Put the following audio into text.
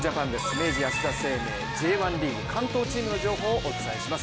明治安田生命Ｊ１リーグ関東チームの情報をお届けします。